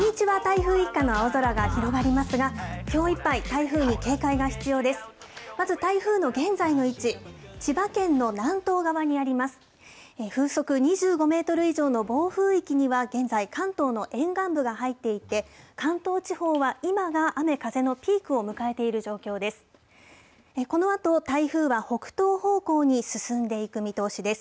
風速２５メートル以上の暴風域には現在、関東の沿岸部が入っていて、関東地方は今が雨風のピークを迎えている状況です。